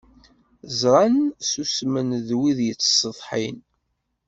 Ẓṛan, ssusmen, d wid yettṣeḍḥin.